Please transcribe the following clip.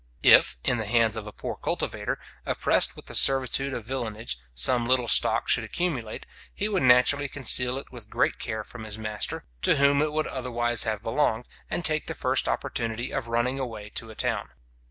If, in the hands of a poor cultivator, oppressed with the servitude of villanage, some little stock should accumulate, he would naturally conceal it with great care from his master, to whom it would otherwise have belonged, and take the first opportunity of running away to a town.